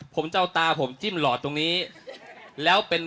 อ๋อเป็นร้าน